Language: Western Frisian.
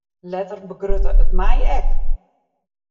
Letter begrutte it my ek.